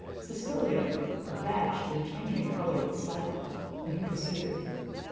Cecilia, abashed and changing colour, was silent, and he proceeded.